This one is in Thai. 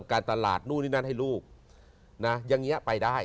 การตลาดนู่นนี่นั่นให้ลูกนะอย่างนี้ไปได้